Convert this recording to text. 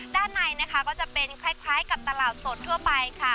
ด้านในนะคะก็จะเป็นคล้ายกับตลาดสดทั่วไปค่ะ